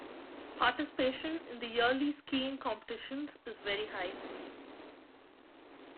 Participation in the yearly skiing competitions is very high.